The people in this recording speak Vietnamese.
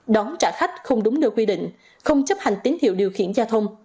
đón trả khách không đúng nơi quy định không chấp hành tín hiệu điều khiển giao thông